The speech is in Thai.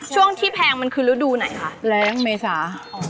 ช่วงที่แพงมันคือฤดูไหนคะแรงเมษา